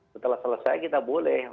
setelah selesai kita boleh